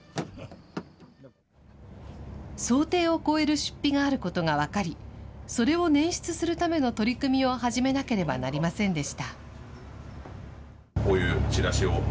想定を超える出費があることが分かり、それを捻出するための取り組みを始めなければなりませんでした。